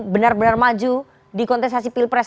benar benar maju di kontestasi pilpres